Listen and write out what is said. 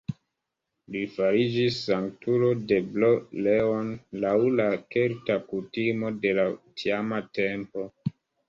Li fariĝis sanktulo de Bro-Leon laŭ la kelta kutimo de la tiama tempo.